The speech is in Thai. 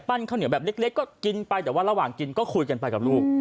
ข้าวเหนียวแบบเล็กก็กินไปแต่ว่าระหว่างกินก็คุยกันไปกับลูก